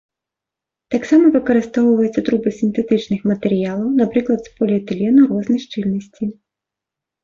Таксама выкарыстоўваюцца трубы з сінтэтычных матэрыялаў, напрыклад, з поліэтылену рознай шчыльнасці.